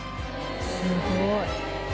すごい。